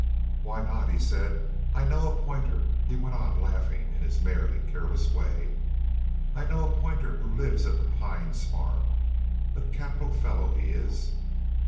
"Why not?" he said. "I know a pointer," he went on, laughing in his merry, careless way "I know a pointer who lives at the Pines Farm. A capital fellow he is."